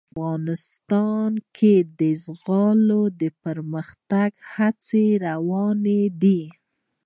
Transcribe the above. افغانستان کې د زغال د پرمختګ هڅې روانې دي.